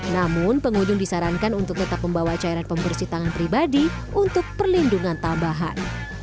namun pengunjung disarankan untuk tetap membawa cairan pembersih tangan pribadi untuk perlindungan tambahan